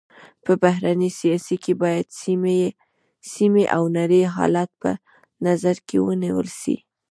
په بهرني سیاست کي باید سيمي او نړۍ حالت په نظر کي ونیول سي.